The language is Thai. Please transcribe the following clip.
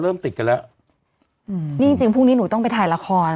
ติดกันแล้วอืมนี่จริงจริงพรุ่งนี้หนูต้องไปถ่ายละคร